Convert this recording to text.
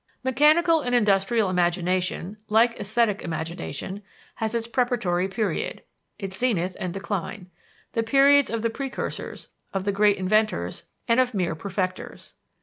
Mechanical and industrial imagination, like esthetic imagination, has its preparatory period, its zenith and decline: the periods of the precursors, of the great inventors, and of mere perfectors.